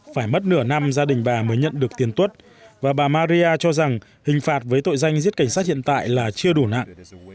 phải mất nửa năm gia đình bà mới nhận được tiền tuất và bà maria cho rằng hình phạt với tội danh giết cảnh sát hiện tại là chưa đủ nặng